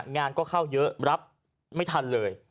งานก็เข้าเยอะรับไม่ทันเลย